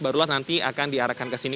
barulah nanti akan diarahkan ke sini